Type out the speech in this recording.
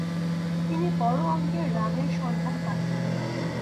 তিনি বড় অঙ্কের রানের সন্ধান পাননি।